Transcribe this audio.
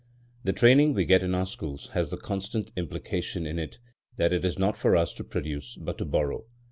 The training we get in our schools has the constant implication in it that it is not for us to produce but to borrow.